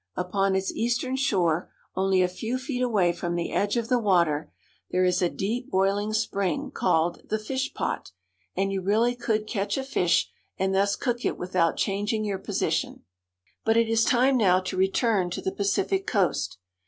Upon its eastern shore, only a few feet away from the edge of the water, there is FROM THE YELLOWSTONE TO PUGET SOUND. 289 a deep boiling spring called the Fish Pot, and you really could catch a fish and thus cook it without changing your position. But it is time now to re turn to the Pacific coast.